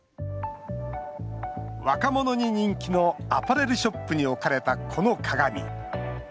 若者に人気のアパレルショップに置かれたこの鏡。